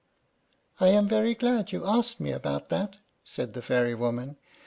"I am very glad you asked me about that," said the fairy woman.